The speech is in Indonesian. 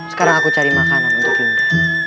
sekarang aku cari makanan untuk indah